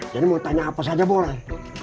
jadi mau tanya apa saja boleh